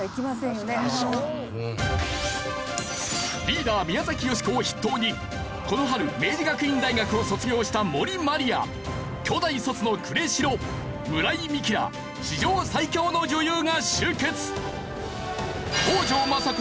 リーダー宮崎美子を筆頭にこの春明治学院大学を卒業した森マリア京大卒の呉城村井美樹ら史上最強の女優が集結。